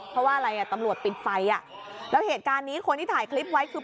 เพราะว่าอะไรอ่ะตำรวจปิดไฟอ่ะแล้วเหตุการณ์นี้คนที่ถ่ายคลิปไว้คือ